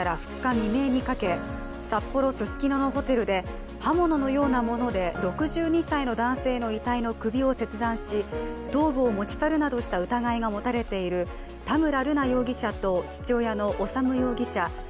未明にかけ札幌・ススキノのホテルで刃物のようなもので６２歳の男性の遺体の首を切断し頭部を持ち去るなどした疑いが持たれている母親の浩子容疑者。